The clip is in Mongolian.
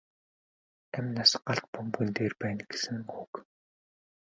Амь нас галт бөмбөгөн дээр байна гэсэн үг.